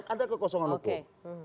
ada kekosongan hukum